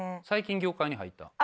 最近業界に入った？